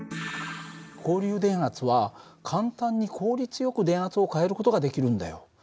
交流電圧は簡単に効率よく電圧を変える事ができるんだよ。